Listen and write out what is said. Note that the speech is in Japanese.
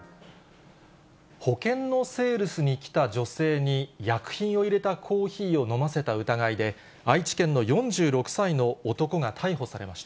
保険のセールスに来た女性に、薬品を入れたコーヒーを飲ませた疑いで、愛知県の４６歳の男が逮捕されました。